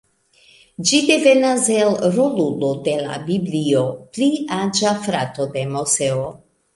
Ĝi devenas el rolulo de la Biblio, pli aĝa frato de Moseo.